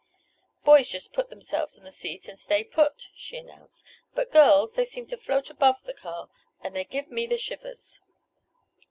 "Boys just put themselves on the seat and stay put," she announced, "but girls—they seem to float above the car, and they give me the shivers!"